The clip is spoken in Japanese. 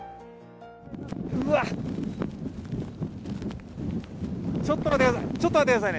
うわっ、ちょっと待ってください